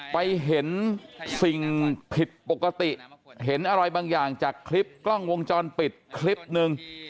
ไปเห็นสิ่งผิดปกติเห็นอะไรบางอย่างจากคลิปกล้องวงจรปิดคลิปนึง